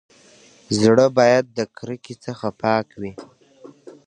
زړه بايد د کرکي څخه پاک وي.